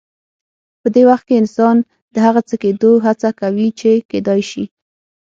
په دې وخت کې انسان د هغه څه کېدو هڅه کوي چې کېدای شي.